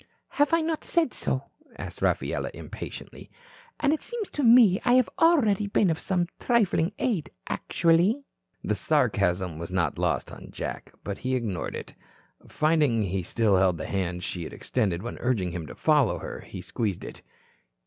"Have I not said so?" asked Rafaela impatiently. "And it seems to me I have already been of some trifling aid actually?" The sarcasm was not lost on Jack. But he ignored it. Finding he still held the hand she had extended when urging him to follow her, he squeezed it.